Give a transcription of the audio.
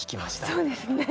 そうですね！